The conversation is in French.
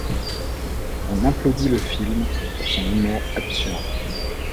On applaudit le film pour son humour absurde.